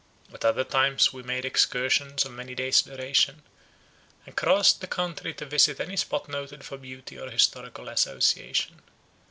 At other times we made excursions of many days' duration, and crossed the country to visit any spot noted for beauty or historical association.